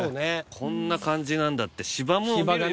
「こんな感じなんだ」って芝がね